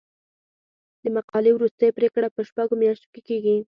د مقالې وروستۍ پریکړه په شپږو میاشتو کې کیږي.